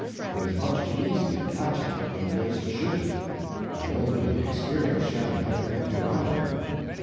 It is much easier to catch it than it is to shoot it, and only the experienced chamois hunter can do either.